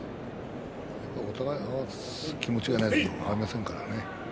お互い、合わせる気持ちがないと合いませんからね。